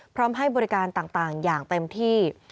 พร้อมให้บริการต่างอย่างเต็มที่